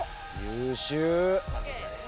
優秀。